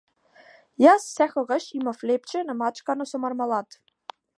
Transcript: Јас секогаш имав лепче намачкано со мармалад.